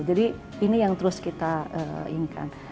jadi ini yang terus kita inginkan